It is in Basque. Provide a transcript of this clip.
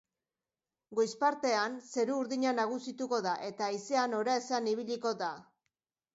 Goiz partean zeru urdina nagusituko da eta haizea noraezean ibiliko da.